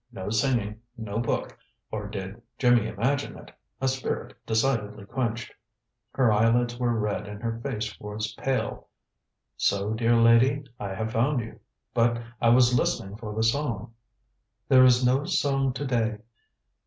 No singing, no book, and or did Jimmy imagine it? a spirit decidedly quenched. Her eyelids were red and her face was pale. "So, dear lady, I have found you. But I was listening for the song." "There is no song to day."